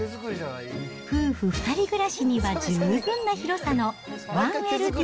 夫婦２人暮らしには十分な広さの１ＬＤＫ。